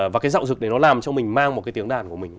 và cái dạo dực này nó làm cho mình mang một cái tiếng đàn của mình